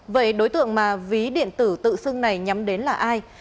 vậy đối tượng mà ví điện tử tự xưng này nhắm đến là ai